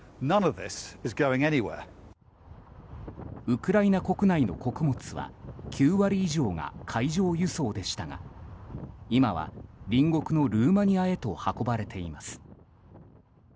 ウクライナ国内の穀物は９割以上が海上輸送でしたが今は隣国のルーマニアへと運ばれています。